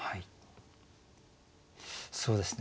そうですね